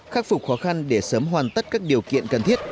khắc phục khó khăn để sớm hoàn tất các điều kiện cần thiết